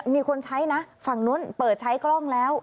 มีคนใช้นะฝั่งนู้นเปิดใช้กล้องแล้ว